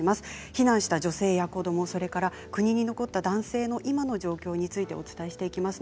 避難した女性や子どもそれから国に残った男性の今の状況についてお伝えしていきます。